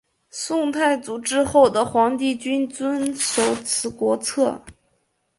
宋太祖之后的皇帝均遵守此国策。